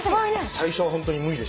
最初はホントに無理でしたけど。